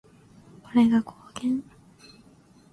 これが貢献？